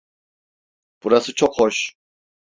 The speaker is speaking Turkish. Burası çok hoş.